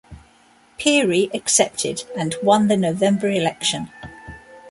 Peery accepted, and won the November election.